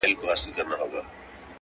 چي پوره یې کړه د خپل سپي ارمانونه,